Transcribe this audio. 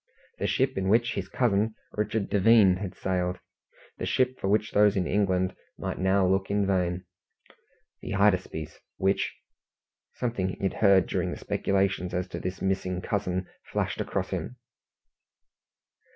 The ship in which his cousin Richard Devine had sailed! The ship for which those in England might now look in vain! The Hydaspes which something he had heard during the speculations as to this missing cousin flashed across him.